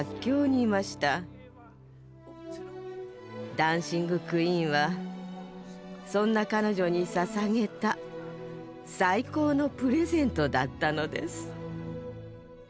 「ダンシング・クイーン」はそんな彼女にささげた最高のプレゼントだったのです。